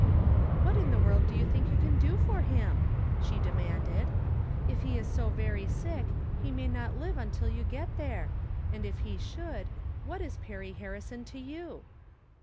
" "What in tlie world do you think you can do for him ?" she demanded. " If he is so very sick, he may not live until you get there ; and if he should, what is Perry Harrison to you